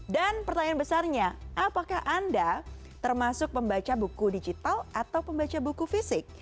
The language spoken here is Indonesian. dan pertanyaan besarnya apakah anda termasuk pembaca buku digital atau pembaca buku fisik